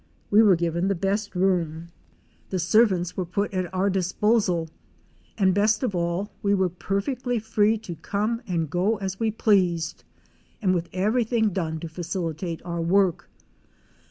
We were given the best room; the servants fete) OUR SEARCH FOR A WILDERNESS. were put at our disposal: and best of all we were perfectly free to come and go as we pleased; and with everything done to facilitate our work.